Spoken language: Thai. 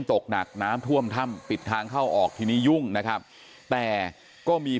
ตกหนักน้ำท่วมถ้ำปิดทางเข้าออกทีนี้ยุ่งนะครับแต่ก็มี